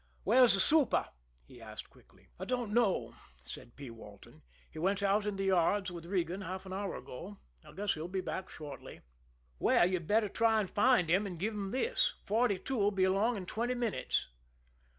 "Where's the super?" he asked quickly. "I don't know," said P. Walton. "He went out in the yards with Regan half an hour ago. I guess he'll be back shortly." "Well, you'd better try and find him, and give him this. Forty two'll be along in twenty minutes."